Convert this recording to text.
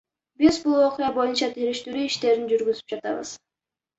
Биз бул окуя боюнча териштирүү иштерин жүргүзүп жатабыз.